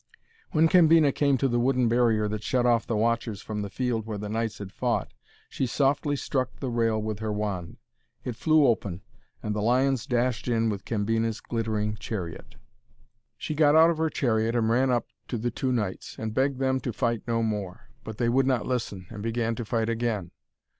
When Cambina came to the wooden barrier that shut off the watchers from the field where the knights had fought, she softly struck the rail with her wand. It flew open, and the lions dashed in with Cambina's glittering chariot. She got out of her chariot and ran up to the two knights, and begged them to fight no more. But they would not listen, and began to fight again.